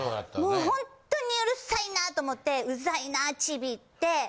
もう本当にうるさいなと思って、うざいなー、ちびって。